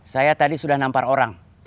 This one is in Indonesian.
saya tadi sudah nampar orang